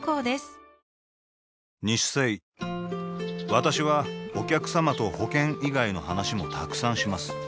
私はお客様と保険以外の話もたくさんします